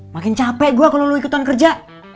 makin capek gua kalo lu ikutan kerja